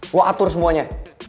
gue atur semuanya